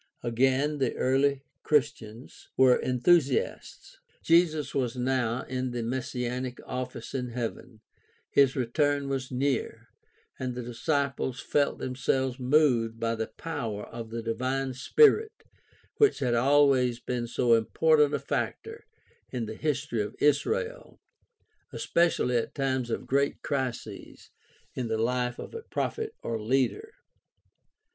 Again, the early Christians were enthusiasts. Jesus was now in the messianic office in heaven, his return was near, and the disciples felt themselves moved by the power of the divine Spirit which had always been so important a factor in the his tory of Israel, especially at times of great crises in the life of a prophet or leader.